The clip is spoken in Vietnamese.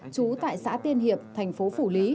trú tại xã tiên hiệp thành phố phủ lý